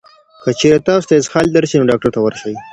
که چېرې تاسو ته اسهال درشي، نو ډاکټر ته ورشئ.